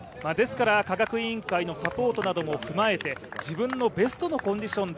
ですから科学委員会のサポートなども踏まえて、自分のベストのコンディションで。